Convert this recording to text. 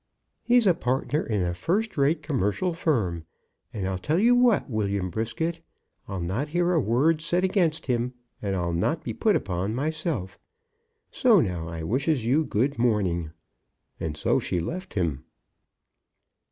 "He's a partner in a first rate commercial firm. And I'll tell you what, William Brisket, I'll not hear a word said against him, and I'll not be put upon myself. So now I wishes you good morning." And so she left him.